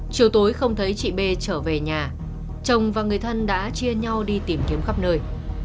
chiều tối không thấy chị bê trở về nhà chồng và người thân đã chia nhau đi tìm kiếm khắp nơi